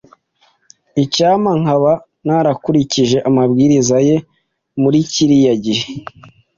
Icyampa nkaba narakurikije amabwiriza ye muri kiriya gihe.